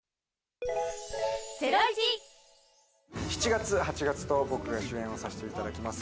７月、８月と、僕が主演をさせていただきます